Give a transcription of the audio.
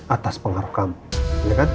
atas pengaruh kamu